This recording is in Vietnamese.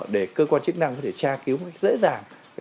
để cơ quan chức năng có thể tra cứu dễ dàng